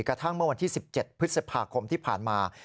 กระทั่งเมื่อวันที่๑๗พฤษภาคมที่ผ่านมา